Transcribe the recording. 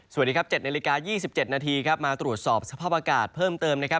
สวัสดีครับ๗นาฬิกา๒๗นาทีครับมาตรวจสอบสภาพอากาศเพิ่มเติมนะครับ